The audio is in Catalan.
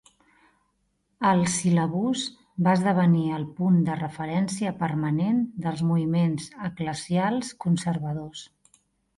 El Síl·labus va esdevenir el punt de referència permanent dels moviments eclesials conservadors.